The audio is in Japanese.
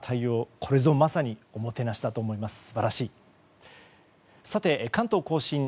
これぞまさにおもてなしだと思います。